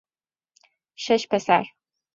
شش پسر